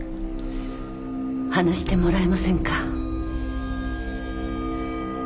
話してもらえませんか？